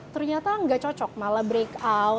ternyata nggak cocok malah break out